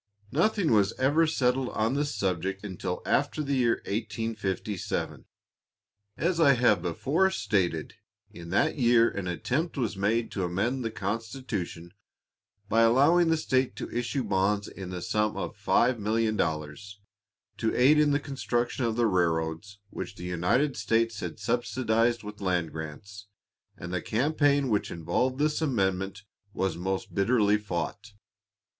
Nothing was ever settled on this subject until after the year 1857. As I have before stated, in that year an attempt was made to amend the constitution by allowing the state to issue bonds in the sum of $5,000,000 to aid in the construction of the railroads which the United States had subsidized with land grants, and the campaign which involved this amendment was most bitterly fought.